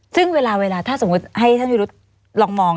ซึ่งเวลาถ้าสมมุติให้ท่านวิรุธลองมอง